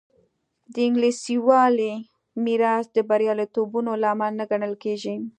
د انګلیسي والي میراث د بریالیتوبونو لامل نه ګڼل کېږي.